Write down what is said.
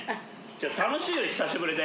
楽しいよ久しぶりで。